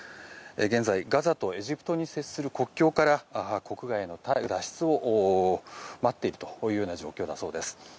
現在、ガザとエジプトに接する国境から国外への脱出を待っているというような状況だそうです。